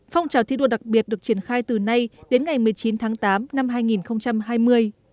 phong trào thi đua đặc biệt được triển khai từ nay đến ngày một mươi chín tháng tám năm hai nghìn hai mươi